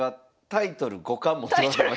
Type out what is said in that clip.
タイトル五冠！